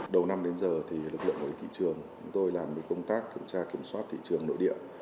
đầu năm đến giờ lực lượng của thị trường tôi làm công tác kiểm tra kiểm soát thị trường nội địa